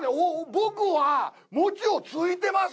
僕は餅をついてます。